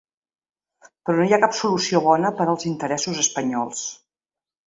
Però no hi ha cap solució bona per als interessos espanyols.